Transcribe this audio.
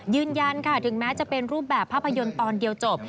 ยืนยันค่ะถึงแม้จะเป็นรูปแบบภาพยนตร์ตอนเดียวจบ